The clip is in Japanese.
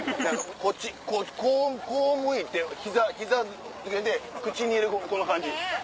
こっちこう向いて膝つけて口にこんな感じ。